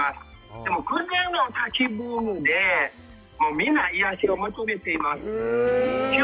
でも、空前の滝ブームで、みんな癒やしを求めています。